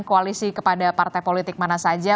koalisi kepada partai politik mana saja